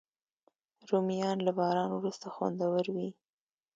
رومیان له باران وروسته خوندور وي